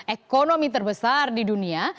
ekonomi terbesar di dunia